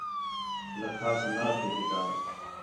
لکھاس نا تھے کتاب